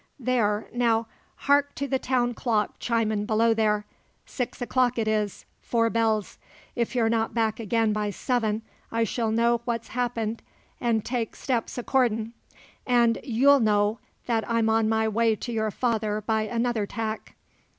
There, now, hark to the town clock chimin' below there! Six o'clock it is four bells. If you're not back agen by seven I shall know what's happened an' take steps accordin'. An' you'll know that I'm on my way to your father by another tack.